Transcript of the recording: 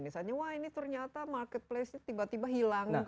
misalnya wah ini ternyata marketplace nya tiba tiba hilang